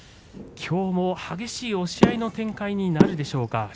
きょうも激しい押し合いの展開になるでしょうか。